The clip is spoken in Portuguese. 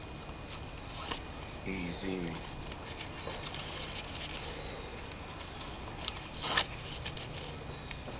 exime